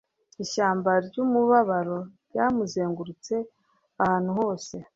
Ishyamba ryumubabaro ryamuzengurutse ahantu hose